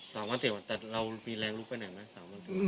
สามวันสี่วันแต่เรามีแรงลุกไปไหนนะ